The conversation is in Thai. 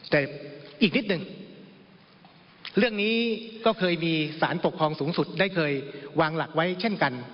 แต่อีกนิดหนึ่งเรื่องนี้ก็เคยมีสารปกครองสูงสุดได้เคยวางหลักไว้เช่นกัน